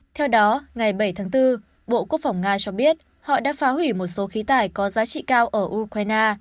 theo đó ngày bảy tháng bốn bộ quốc phòng nga cho biết họ đã phá hủy một số khí tải có giá trị cao ở ukraine